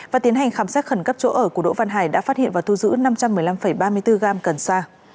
và tiến hành khám xét khẩn cấp chỗ ở của đỗ văn hải đã phát hiện và thu giữ năm trăm một mươi năm ba mươi bốn gram cần sa